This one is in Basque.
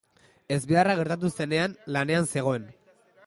Ezbeharra gertatu zenean, lanean zegoen.